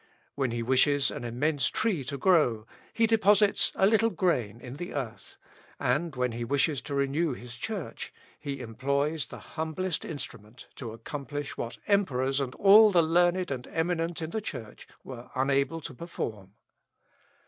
When he wishes an immense tree to grow, he deposits a little grain in the earth; and, when he wishes to renew his Church, he employs the humblest instrument to accomplish what emperors and all the learned and eminent in the Church were unable to perform.